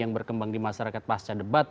yang berkembang di masyarakat pasca debat